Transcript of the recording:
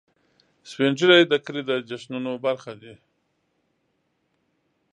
سپین ږیری د کلي د جشنونو برخه دي